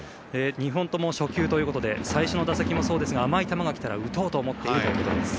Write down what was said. ２本とも初球ということで最初の打席もそうですが甘い球が来たら打とうと思っているということでした。